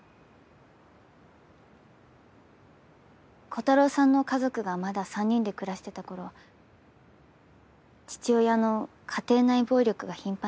コタローさんの家族がまだ３人で暮らしてた頃父親の家庭内暴力が頻繁にあって。